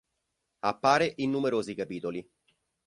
Appare in numerosi capitoli.